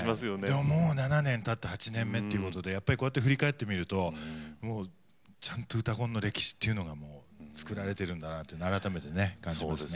でももう７年たって８年目っていうことでやっぱりこうやって振り返ってみるともうちゃんと「うたコン」の歴史っていうのが作られてるんだなと改めてね感じますね。